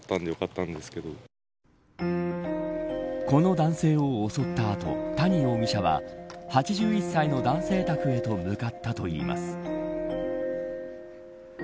この男性を襲った後谷容疑者は８１歳の男性宅へと向かったといいます。